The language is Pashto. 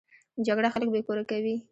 جګړه خلک بې کوره کوي